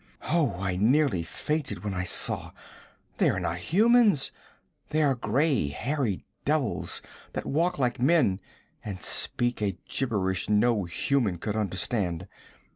'Oh, I nearly fainted when I saw! They are not humans! They are gray, hairy devils that walk like men and speak a gibberish no human could understand.